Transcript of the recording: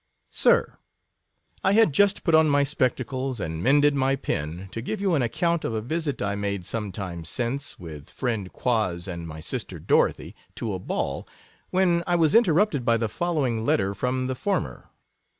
Sir, I had just put oi) my spectacles, and mended my pen, to give you an account of a visit I made some time since, with friend Quoz and my sister Dorothy, to a ball, when I was interrupted by the following letter from the former.